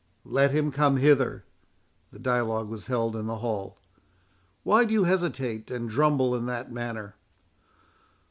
"Let him come hither." (The dialogue was held in the hall.) "Why do you hesitate and drumble in that manner?"